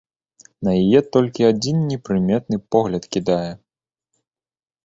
На яе толькі адзін непрыметны погляд кідае.